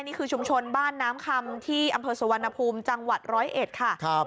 นี่คือชุมชนบ้านน้ำคำที่อำเภอสุวรรณภูมิจังหวัดร้อยเอ็ดค่ะ